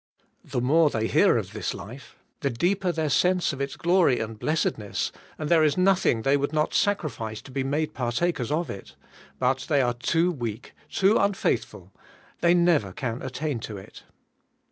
The more they hear of this life, the deeper their sense of its glory and blessedness, and there is nothing they would not sacrifice to be made partakers of it. But they are too weak, too unfaithful, — they never can attain to it.